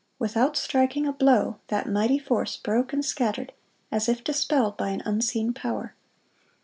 Without striking a blow, that mighty force broke and scattered, as if dispelled by an unseen power.